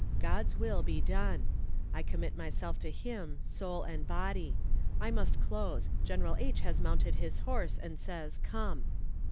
God's will be done. I commit myself to Him, soul and body. I must close. General H. has mounted his horse, and says Come